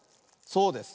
そうです。